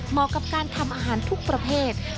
เหมาะกับการทำอาหารทุกประเภท